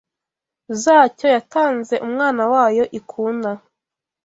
zacyo, yatanze Umwana wayo ikunda